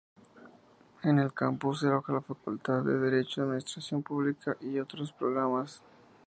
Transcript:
En el campus se aloja la Facultad de Derecho, Administración Pública y otros programas.